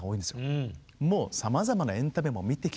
もうさまざまなエンタメも見てきている。